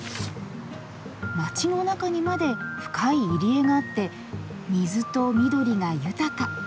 街の中にまで深い入り江があって水と緑が豊か。